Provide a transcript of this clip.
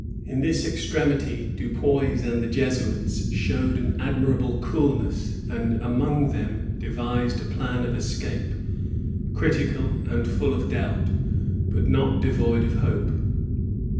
In this extremity Da Pays and the Jesuits showed an admirable cookiess, and among Ihem demised a plan of escape, critical and full of doubt, bat not devoid of hope.